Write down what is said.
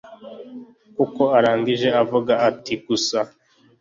kuko arangije avuga ati Gusa